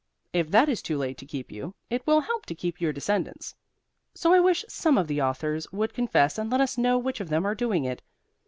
If that is too late to keep you, it will help to keep your descendants. So I wish some of the authors would confess and let us know which of them are doing it.